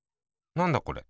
なんだこれ。